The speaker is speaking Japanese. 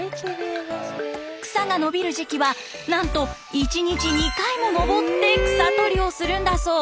草が伸びる時期はなんと１日２回も登って草取りをするんだそう。